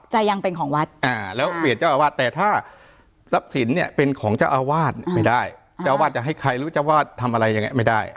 ยังเป็นของวัดแล้วเวียดเจ้าอาวาสแต่ถ้าทรัพย์สินเนี่ยเป็นของเจ้าอาวาสไม่ได้เจ้าวาดจะให้ใครรู้เจ้าวาดทำอะไรยังไงไม่ได้